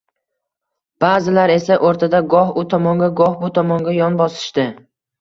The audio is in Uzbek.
Ba’zilar esa o‘rtada – goh u tomonga, goh bu tomonga yon bosishdi